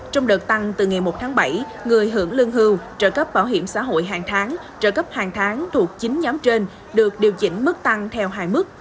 trong đợt tăng từ ngày một tháng bảy người hưởng lương hưu trợ cấp bảo hiểm xã hội hàng tháng trợ cấp hàng tháng thuộc chín nhóm trên được điều chỉnh mức tăng theo hai mức